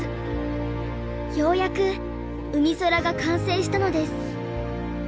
ようやくうみそらが完成したのです。